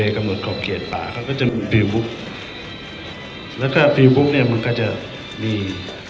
กำหนดขอบเขตป่าเขาก็จะแล้วก็เนี่ยมันก็จะมี